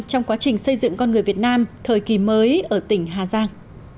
trong quá trình xây dựng con người việt nam thời kỳ mới ở tỉnh hà giang